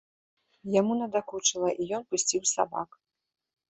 Яму надакучыла, і ён пусціў сабак.